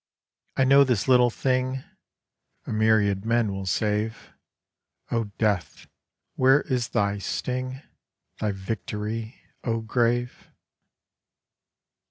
I know this little thing A myriad men will save. O Death, where is thy sting? Thy victory, O Grave?